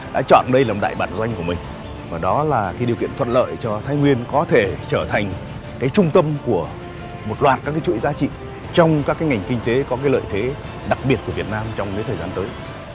đã chọn đây là một đại bản doanh của mình và đó là điều kiện thuận lợi cho thái nguyên có thể trở thành trung tâm của một loạt các chuỗi giá trị trong các ngành kinh tế có lợi thế đặc biệt của việt nam trong thời gian tới